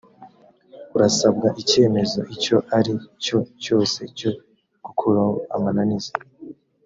urasabwa icyemezo icyo ari cyo cyose cyo gukuraho amananiza